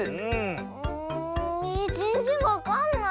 うんえぜんぜんわかんない。